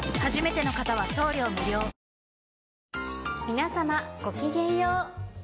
皆様ごきげんよう。